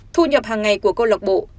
thu nhập hàng ngày của câu lạc bộ